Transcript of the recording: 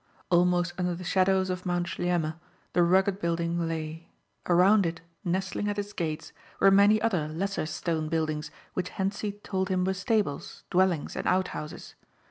Almost under the shadows of Mount Sljeme the rugged building lay. Around it, nestling at its gates were many other lesser stone buildings which Hentzi told him were stables, dwellings and out houses.